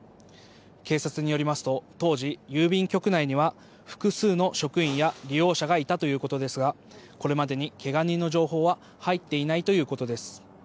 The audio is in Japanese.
警察によりますと当時、郵便局内には複数の職員や利用者がいたということですがこれまでにけが人の情報は入っていないということです。